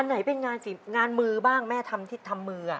อันไหนเป็นงานมือบ้างแม่ที่ทำมือ